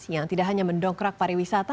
yang tidak hanya mendongkrak pariwisata